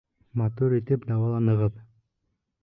Матур итеп дауаланығыҙ.